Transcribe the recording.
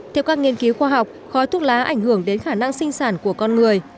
theo các nghiên cứu khoa học khói thuốc lá ảnh hưởng đến khả năng sinh sản của con người